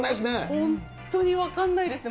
本当に分かんないですね。